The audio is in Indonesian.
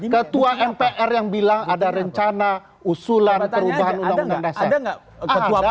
ketua mpr yang bilang ada rencana usulan perubahan undang undang dasar